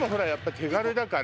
手軽だから。